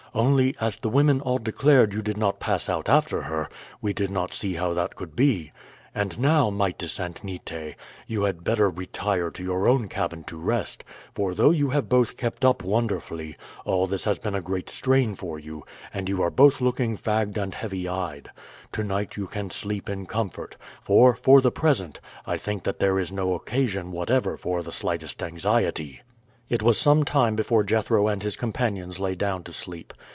Only, as the women all declared you did not pass out after her, we did not see how that could be. And now, Mytis and Nite, you had better retire to your own cabin to rest; for though you have both kept up wonderfully, all this has been a great strain for you, and you are both looking fagged and heavy eyed. To night you can sleep in comfort; for, for the present, I think that there is no occasion whatever for the slightest anxiety." It was some time before Jethro and his companions lay down to sleep.